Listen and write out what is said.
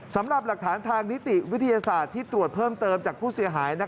สำหรับหลักฐานทางนิติวิทยาศาสตร์ที่ตรวจเพิ่มเติมจากผู้เสียหาย